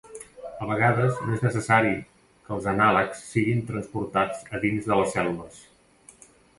A vegades, no és necessari que els anàlegs siguin transportats a dins de les cèl·lules.